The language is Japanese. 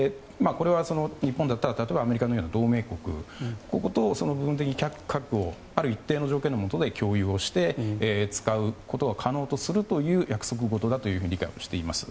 日本だったら例えばアメリカのような同盟国ここと軍事的に、核をある一定の条件のもとで共有して使うことが可能とするという約束事だというふうに理解をしています。